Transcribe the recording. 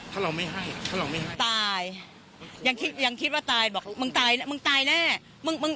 ถ้าเราไม่ให้ถ้าเราไม่ให้ตายยังคิดว่าตายบอกมึงตายแน่